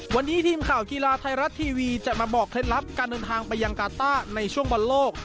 วันนี้ทีมข่าวกีฬาไทยรัฐทีวีจะมาบอกเคล็ดลับการเดินทางไปยังกาต้าในช่วงบอลโลก